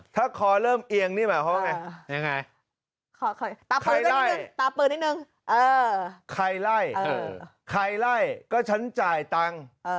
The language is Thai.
ถ้าคอเริ่มเอียงนี่แม้ว่าไงตาเปิดนิดนึงใครไล่ใครไล่ก็ฉันจ่ายตังค์